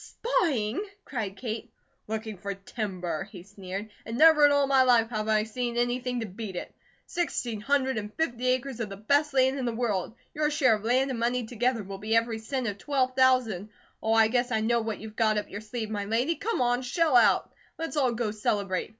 "Spying?" cried Kate. "Looking for timber," he sneered. "And never in all my life have I seen anything to beat it. Sixteen hundred and fifty acres of the best land in the world. Your share of land and money together will be every cent of twelve thousand. Oh, I guess I know what you've got up your sleeve, my lady. Come on, shell out! Let's all go celebrate.